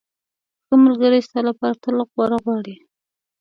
ښه ملګری ستا لپاره تل غوره غواړي.